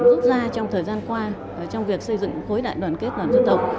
rút ra trong thời gian qua trong việc xây dựng khối đại đoàn kết toàn dân tộc